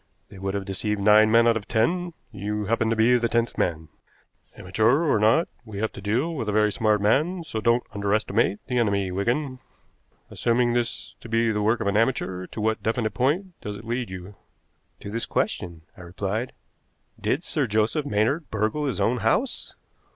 They would have deceived nine men out of ten you happen to be the tenth man. Amateur or not, we have to deal with a very smart man, so don't underestimate the enemy, Wigan. Assuming this to be the work of an amateur, to what definite point does it lead you?" "To this question," I replied. "Did Sir Joseph Maynard burgle his own house?"